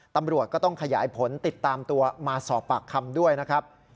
ตำรวจก็ต้องขยายผลติดตามตัวมาสอบปากคำด้วยนะครับ